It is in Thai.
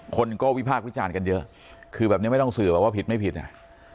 คนก็วิพากษ์วิจารณ์กันเยอะคือแบบนี้ไม่ต้องสื่อแบบว่าผิดไม่ผิดอ่ะ